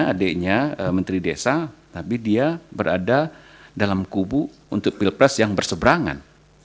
adiknya menteri desa tapi dia berada dalam kubu untuk pilpres yang berseberangan